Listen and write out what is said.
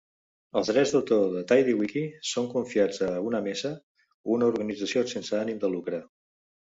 Els drets d'autor de TiddlyWiki són confiats a UnaMesa, una organització sense ànim de lucre.